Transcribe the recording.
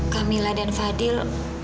kamilah dan fadil